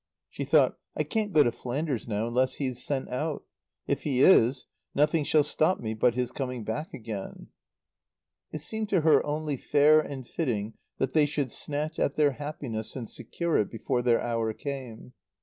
She thought: "I can't go to Flanders now, unless he's sent out. If he is, nothing shall stop me but his coming back again." It seemed to her only fair and fitting that they should snatch at their happiness and secure it, before their hour came.